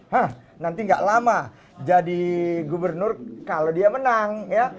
hah nanti gak lama jadi gubernur kalau dia menang ya